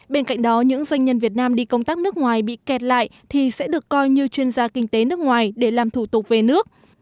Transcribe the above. bên cạnh đó những doanh nhân việt nam đi công tác nước ngoài bị kẹt lại thì sẽ được coi như chuyên gia kinh tế nước ngoài để làm thủ tục về nước